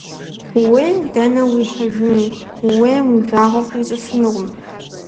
Ууейм дэнэ уихьыжын, ууейм уи жагъуэ къищӀыфынукъым.